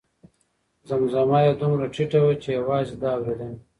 زمزمه یې دومره ټیټه وه چې یوازې ده اورېدله.